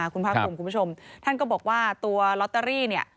คุณพระคุมคุณผู้ชมท่านก็บอกว่าตัวลอตเตอรี่